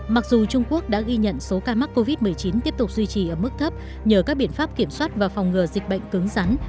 mặc dù trung quốc đã ghi nhận số ca mắc covid một mươi chín tiếp tục duy trì ở mức thấp nhờ các biện pháp kiểm soát và phòng ngừa dịch bệnh cứng rắn